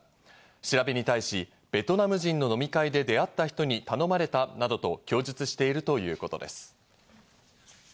調べに対し、ベトナム人の飲み会で出会った人に頼まれたなどと供述しているということです。